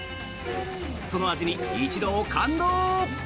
その味に一同感動！